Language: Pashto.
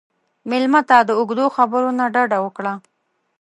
مېلمه ته د اوږدو خبرو نه ډډه وکړه.